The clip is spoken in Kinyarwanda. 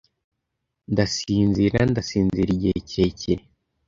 Ndasinzira - Ndasinzira igihe kirekire.